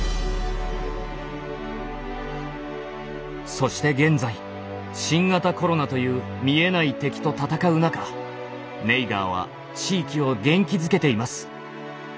そして現在新型コロナという見えない敵と闘う中ネイガーは地域を元気づけています。